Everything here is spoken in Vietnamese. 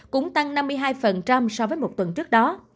cũng tăng năm mươi hai so với một tuần trước đó